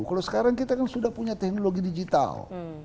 kalau sekarang kita kan sudah punya teknologi digital